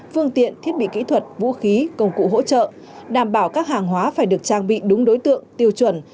phương tiện thiết bị kỹ thuật vũ khí công cụ hỗ trợ đảm bảo các hàng hóa phải được trang bị đúng đối tượng tiêu chuẩn